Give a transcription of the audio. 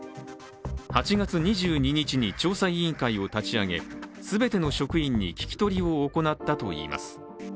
８月２２日に調査委員会を立ち上げ全ての職員に聞き取りを行ったといいます。